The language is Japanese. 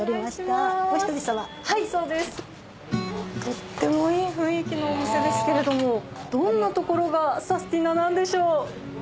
とってもいい雰囲気のお店ですけれどもどんなところがサスティななんでしょう？